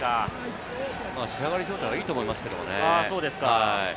仕上がり状態はいいと思いますけれどもね。